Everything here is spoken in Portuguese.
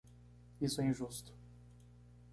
Isso é injusto.